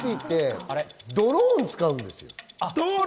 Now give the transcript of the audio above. ドローン使うんですよ。